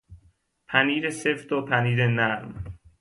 پنیر سفت و پنیر نرم